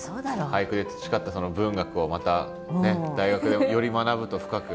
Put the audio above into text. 俳句で培ったその文学をまた大学でより学ぶと深く。